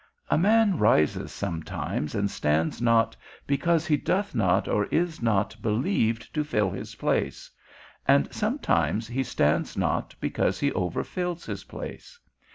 A man rises sometimes and stands not, because he doth not or is not believed to fill his place; and sometimes he stands not because he overfills his place.